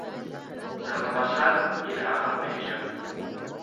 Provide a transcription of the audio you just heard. Demà passat irà al metge.